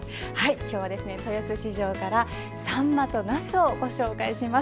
今日は豊洲市場からサンマとなすをご紹介します。